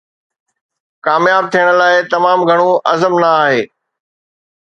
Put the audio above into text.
ڪامياب ٿيڻ لاء تمام گهڻو عزم نه آهي